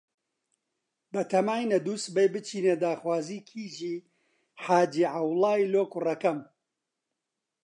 بەتاماینە دووسبەی بچینە داخوازی کیژی حاجی عەوڵای لۆ کوڕەکەم.